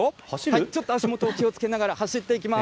ちょっと足元を気をつけながら、走っていきます。